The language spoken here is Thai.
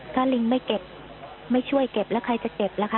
ถ้าลิงไม่เก็บไม่ช่วยเก็บแล้วใครจะเก็บล่ะคะ